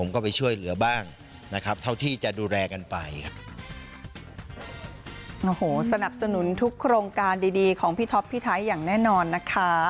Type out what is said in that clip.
โครงการดีของพี่ท็อปพี่ไทยอย่างแน่นอนนะคะ